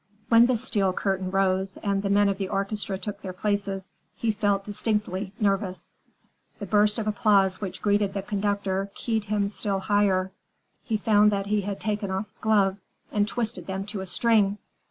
When the steel curtain rose and the men of the orchestra took their places, he felt distinctly nervous. The burst of applause which greeted the conductor keyed him still higher. He found that he had taken off his gloves and twisted them to a string.